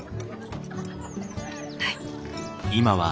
はい。